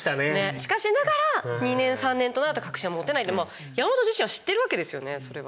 「しかしながら２年３年となると確信は持てない」って山本自身は知ってるわけですよねそれは。